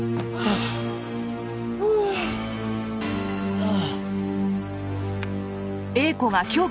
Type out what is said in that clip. ああ。